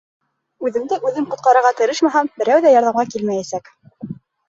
Үҙемде үҙем ҡотҡарырға тырышмаһам, берәү ҙә ярҙамға килмәйәсәк.